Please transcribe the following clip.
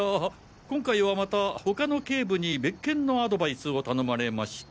今回はまた他の警部に別件のアドバイスを頼まれまして。